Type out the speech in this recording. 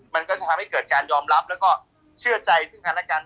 มันก็จะทำให้เกิดการยอมรับแล้วก็เชื่อใจซึ่งกันและกัน